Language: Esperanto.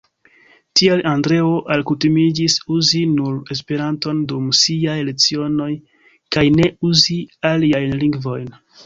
Tial Andreo alkutimiĝis uzi nur Esperanton dum siaj lecionoj, kaj ne uzi aliajn lingvojn.